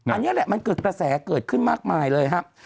อันนี้แหละมันเกิดกระแสเกิดขึ้นมากมายเลยครับ